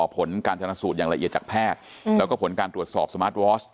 ผลการชนะสูตรอย่างละเอียดจากแพทย์แล้วก็ผลการตรวจสอบสมาร์ทวอส